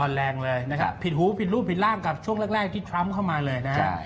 แรงเลยนะครับผิดหูผิดรูปผิดร่างกับช่วงแรกที่ทรัมป์เข้ามาเลยนะครับ